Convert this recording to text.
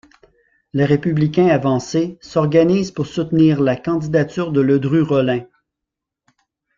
Les républicains avancés s'organisent pour soutenir la candidature de Ledru-Rollin.